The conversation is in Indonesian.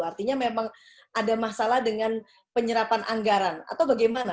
artinya memang ada masalah dengan penyerapan anggaran atau bagaimana